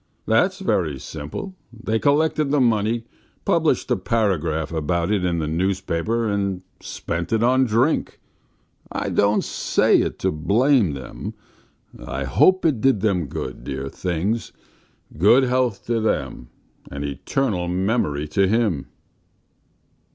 That's very simple. They collected the money, published a paragraph about it in the newspaper, and spent it on drink. ... I don't say it to blame them. ... I hope it did them good, dear things! Good health to them, and eternal memory to him."